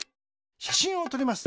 しゃしんをとります。